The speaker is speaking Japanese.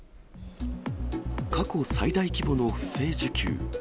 過去最大規模の不正受給。